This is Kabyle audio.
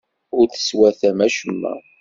Ur teswatam acemma.